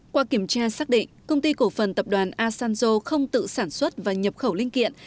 qua kiểm tra xác định công ty cổ phần tập đoàn asanzo không tự sản xuất và nhập khẩu linh kiện